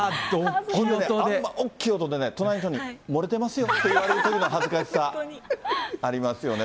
あんま大きい音でね、お隣さんに、漏れてますよって言われる恥ずかしさありますよね。